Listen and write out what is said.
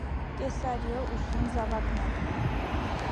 Կեսարիոյ ուշիմ զաւակներէն։